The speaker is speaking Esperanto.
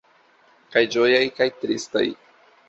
Kaj ĝojaj, kaj tristaj.